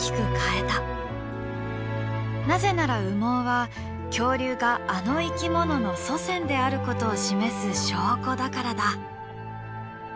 なぜなら羽毛は恐竜があの生き物の祖先であることを示す証拠だからだ。